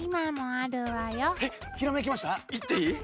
言っていい？